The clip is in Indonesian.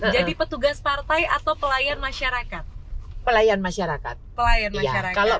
jadi petugas partai atau pelayan masyarakat